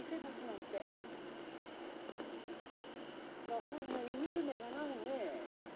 若いのに見る目がないねえ。